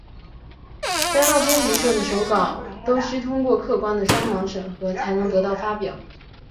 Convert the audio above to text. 交到杂志社的手稿都须通过客观的双盲审核才能得到发表。